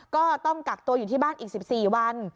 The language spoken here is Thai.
ก็ต้องกักตัวอยู่ที่บ้านอีก๑๔วัน